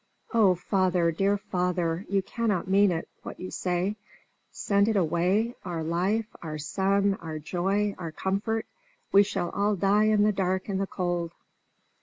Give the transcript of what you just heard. "Oh, father, dear father, you cannot mean what you say? Send it away our life, our sun, our joy, our comfort? we shall all die in the dark and the cold.